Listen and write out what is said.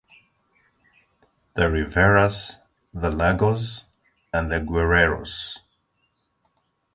The Riveras, The Lagos, and the Guerreros.